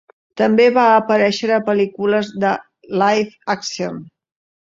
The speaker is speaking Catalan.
També va aparèixer a pel·lícules de live-action.